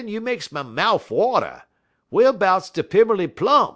you makes my mouf water! Whar'bouts de Pimmerly Plum?'